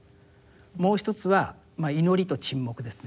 もう一つは祈りと沈黙ですね。